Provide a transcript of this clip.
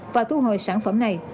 và thu hồi sản phẩm này